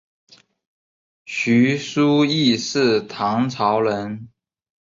许叔冀是唐朝人。